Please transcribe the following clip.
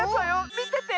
みてて！